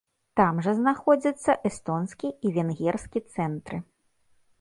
Там жа знаходзяцца эстонскі і венгерскі цэнтры.